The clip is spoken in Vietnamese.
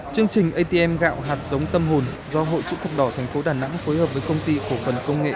chương trình atm gạo hạt giống tâm hồn do hội chữ thọc đỏ thành phố đà nẵng phối hợp với công ty khổ phần công nghệ